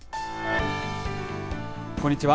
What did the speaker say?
こんにちは。